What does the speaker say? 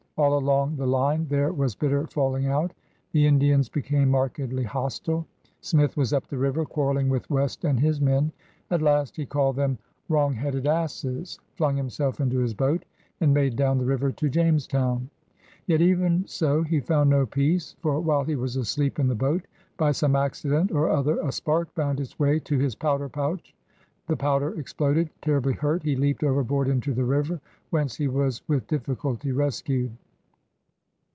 All along the line there was bitter falling out. The Indians became markedly hostile. Smith was up the river, quarreling with West and his men. At last he called them ''wrong headed asses," flung himself into his boat, and made down the river to Jamestown. Yet even so he f oimd no peace, for, while he was asleep in the boat, by some accident or other a spark foimd its way to his powder pouch. The powder exploded. Terribly hurt, he leaped overboard into the river, whence he was with diflSculty rescued.